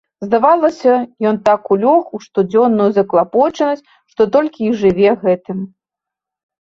Здавалася, ён так улёг у штодзённую заклапочанасць, што толькі і жыве гэтым.